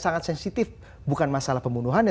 sangat sensitif bukan masalah pembunuhannya